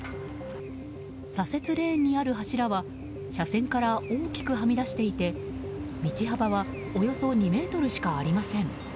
左折レーンにある柱は車線から大きくはみ出していて道幅はおよそ２ｍしかありません。